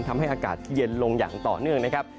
ทำให้อากาศเย็นลงอย่างต่อเนื่องนะครับ